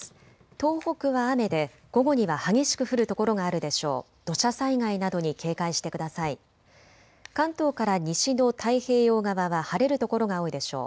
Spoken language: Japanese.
東北は雨で午後には激しく降る所があるでしょう。